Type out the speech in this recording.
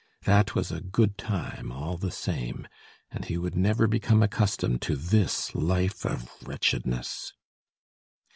That was a good time, all the same, and he would never become accustomed to this life of wretchedness.